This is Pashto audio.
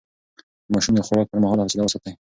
د ماشوم د خوراک پر مهال حوصله وساتئ.